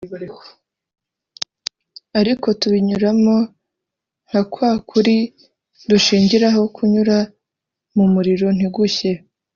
ariko tubinyuramo nka kwa kuri dushingiraho kunyura mu muriro ntigushye